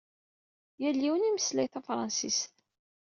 Yal yiwen imeslay tafṛansist.